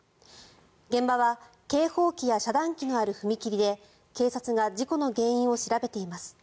現場は警報機や遮断機のある踏切で警察が事故の原因を調べています。